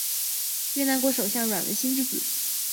越南国首相阮文心之子。